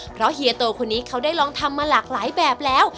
เพราะเฮียโตคนนี้เขาได้ลองทำมาหลากหลายแบบแล้ว